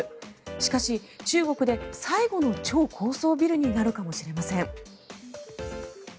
しかし、中国で最後の超高層ビルになるかもしれません。